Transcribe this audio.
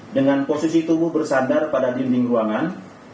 dengan posisi tubuh bersadar pada dinding ruangan